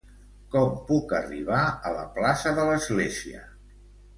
Com puc arribar a la plaça de l'església?